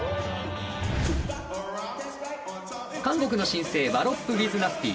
韓国の新星ワロップ・ウィズ・ナスティー。